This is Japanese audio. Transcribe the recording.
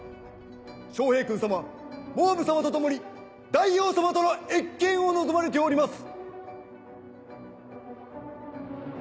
昌平君様蒙武様と共に大王様との謁見を望まれております。